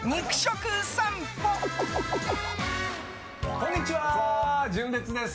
こんにちは、純烈です。